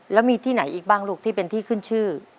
แล้วมีที่ไหนอีกบ้างลูกที่เป็นที่ขึ้นชื่อ